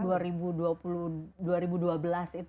tahun dua ribu dua belas itu kami sudah dulu